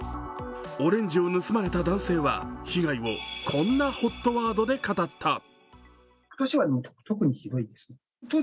オレンジを盗まれた男性は被害をこんなＨＯＴワードで語った。